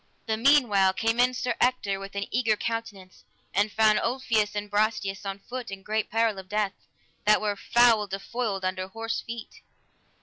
The meanwhile came in Sir Ector with an eager countenance, and found Ulfius and Brastias on foot, in great peril of death, that were foul defoiled under horse feet.